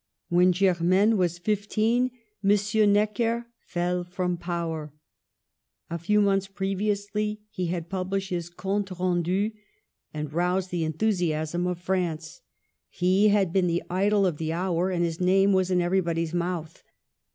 When Germaine was fifteen, M. Necker fellsL from power. A few months previously he had published his Compte Rendu, and roused the enthusiasm of France. He had been the idol of the hour, and his name was in everybody's mouth.